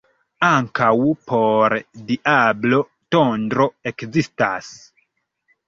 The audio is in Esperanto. Ankaŭ por diablo tondro ekzistas.